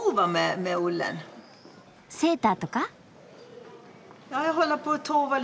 セーターとか？